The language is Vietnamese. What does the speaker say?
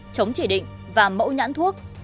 chống chỉ định và mẫu nhãn thuốc